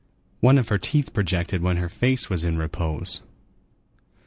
One of her teeth projected when her face was in repose.